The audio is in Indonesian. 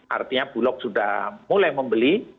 artinya bulog sudah mulai membeli